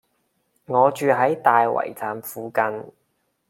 我住喺大圍站附近